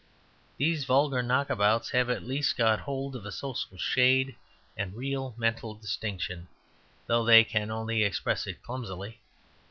These vulgar knockabouts have, at least, got hold of a social shade and real mental distinction, though they can only express it clumsily.